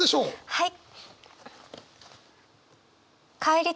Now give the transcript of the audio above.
はい！